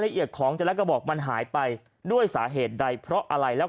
ละเอียดของแต่ละกระบอกมันหายไปด้วยสาเหตุใดเพราะอะไรแล้ว